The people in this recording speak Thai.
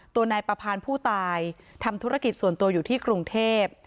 ตัวนายประพานผู้ตายทำธุรกิจส่วนตัวอยู่ที่กรุงเทพ